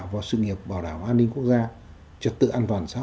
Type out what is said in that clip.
vào sự nghiệp bảo đảm an ninh quốc gia trật tự an toàn xã hội